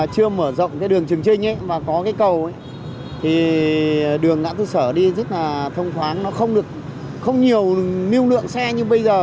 chưa mở rộng đường trưởng trịnh và có cầu đường ngã tư sở đi rất thông thoáng không nhiều lưu lượng xe như bây giờ